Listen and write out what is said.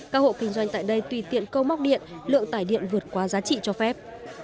các hộ kinh doanh tại đây tùy tiện câu móc điện lượng tải điện vượt qua giá trị cho phép